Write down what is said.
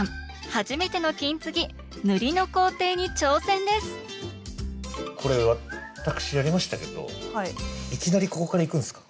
初めての金継ぎこれ私やりましたけどいきなりここからいくんですか？